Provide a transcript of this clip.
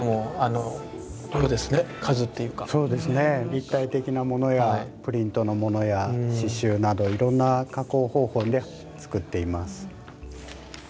立体的なものやプリントのものや刺しゅうなどいろんな加工方法で作っています。